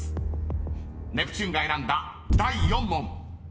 ［ネプチューンが選んだ第４問］